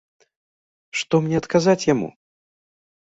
Што мне адказаць яму?